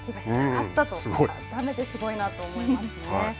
改めてすごいなと思いますね。